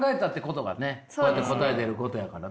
こうやって答え出ることやからね。